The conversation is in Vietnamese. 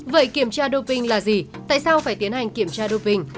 vậy kiểm tra doping là gì tại sao phải tiến hành kiểm tra doing